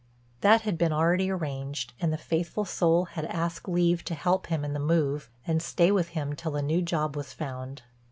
That had been already arranged and the faithful soul had asked leave to help him in the move and stay with him till a new job was found.